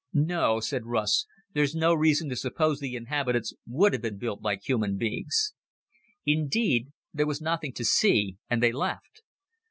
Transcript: "No," said Russ, "there's no reason to suppose the inhabitants would have been built like human beings." Inside there was nothing to see, and they left.